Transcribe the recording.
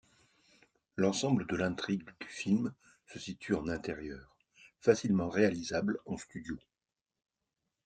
L'ensemble de l'intrigue du film se situe en intérieur, facilement réalisable en studio.